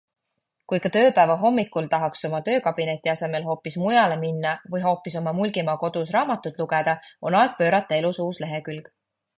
Kui ikka tööpäeva hommikul tahaks oma töökabineti asemel hoopis mujale minna või hoopis oma Mulgimaa kodus raamatut lugeda, on aeg pöörata elus uus lehekülg.